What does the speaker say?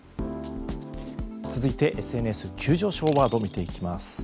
続いて、ＳＮＳ急上昇ワードを見ていきます。